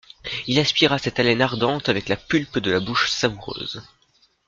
Il aspira cette haleine ardente avec la pulpe de la bouche savoureuse.